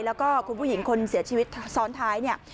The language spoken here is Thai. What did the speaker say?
แล้วก็คุณผู้หญิงคนเสียชีวิตซ้อนท้ายเนี่ย